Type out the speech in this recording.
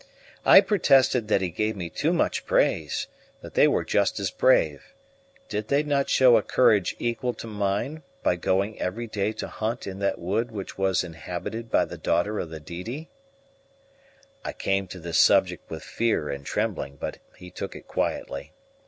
I protested that he gave me too much praise, that they were just as brave. Did they not show a courage equal to mine by going every day to hunt in that wood which was inhabited by the daughter of the Didi? I came to this subject with fear and trembling, but he took it quietly.